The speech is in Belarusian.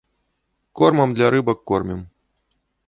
Кормам для рыбак кормім.